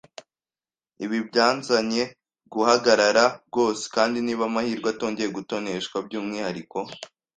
Ibi byanzanye guhagarara rwose, kandi niba amahirwe atongeye gutoneshwa byumwihariko